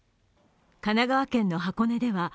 神奈川県の箱根町です。